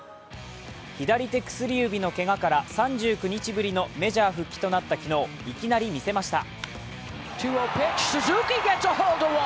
左手薬指のけがから３９日ぶりのメジャー復帰となった昨日いきなり見せました。